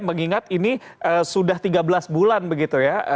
mengingat ini sudah tiga belas bulan begitu ya